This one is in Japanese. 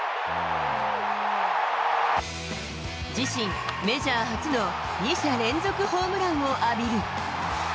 自身メジャー初の２者連続ホームランを浴びる。